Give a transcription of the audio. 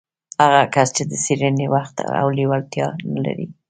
هغه کس چې د څېړنې وخت او لېوالتيا نه لري.